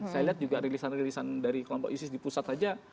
saya lihat juga rilisan rilisan dari kelompok isis di pusat saja